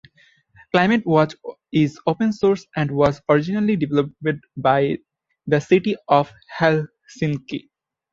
Climate Watch is open source and was originally developed by the city of Helsinki.